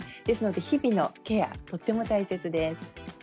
ですので日々のケアとても大切です。